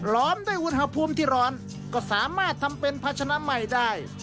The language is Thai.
ด้วยอุณหภูมิที่ร้อนก็สามารถทำเป็นพัชนะใหม่ได้